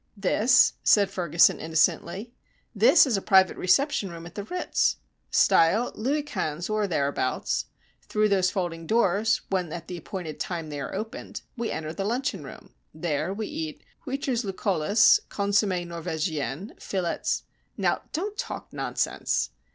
"This?" said Ferguson, innocently. "This is a private reception room at the Ritz. Style, Louis Quinze or thereabouts. Through those folding doors, when at the appointed time they are opened, we enter the luncheon room. There we eat huitres_ Lucullus, consommé norvégienne, filets_ " "Now, don't talk nonsense."